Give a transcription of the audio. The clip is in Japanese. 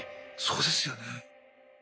そうですよね。